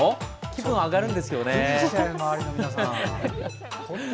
気分が上がるんですよね。